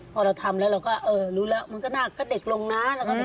พอเราทำแล้วเราก็เออรู้แล้วมันก็น่าก็เด็กลงนะ